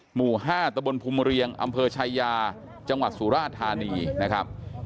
หมู่๕ตะบนภูมิเรียงอำเภอชายาจังหวัดสุราธานีนะครับ